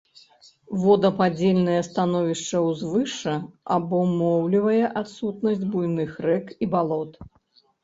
Водападзельнае становішча ўзвышша абумоўлівае адсутнасць буйных рэк і балот.